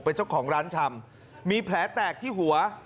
เป็นเจ้าของร้านชำมีแผลแตกที่หัว